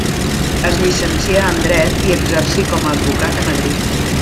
Es llicencià en dret i exercí com a advocat a Madrid.